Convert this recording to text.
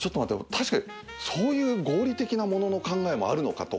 確かにそういう合理的な物の考えもあるのかと。